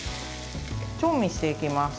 調味していきます。